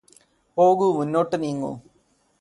പോകു മുന്നോട്ടു നീങ്ങു